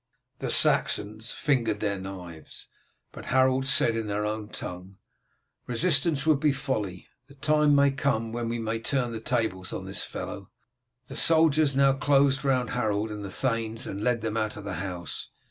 The Saxons fingered their knives, but Harold said in their own tongue, "Resistance would be folly, the time may come when we may turn the tables on this fellow." The soldiers now closed round Harold and the thanes and led them out of the house.